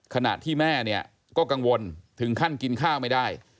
ขณะที่แม่เนี่ยก็กังวลถึงขั้นกินข้าวไม่ได้